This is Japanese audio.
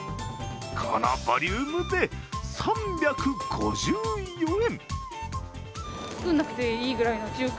このボリュームで３５４円。